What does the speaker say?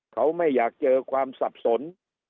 เขาไม่อยากเจอความสับสน